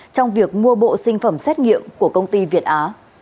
trong việc mua bộ sinh phẩm xét nghiệm của công ty việt á